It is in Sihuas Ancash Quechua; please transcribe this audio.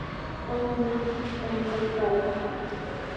Paykuna kushishqami kaykaayan.